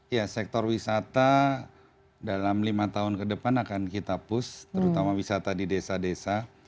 ya sektor wisata dalam lima tahun ke depan akan kita push terutama wisata di desa desa